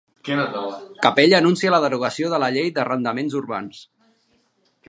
Capella anuncia la derogació de la llei d'arrendaments urbans